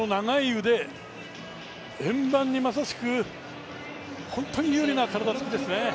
この長い腕円盤にまさしく本当に有利な体つきですね。